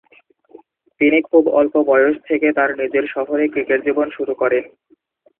তিনি খুবই অল্প বয়স থেকে তার নিজের শহরে ক্রিকেট জীবন শুরু করেন।